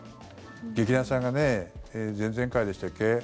劇団さんが、前々回でしたっけ？